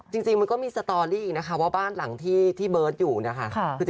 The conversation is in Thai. จริงมันก็มีสตอรี่นะคะว่าบ้านหลังที่เบิร์ตอยู่นะคะ